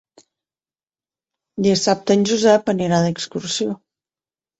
Dissabte en Josep anirà d'excursió.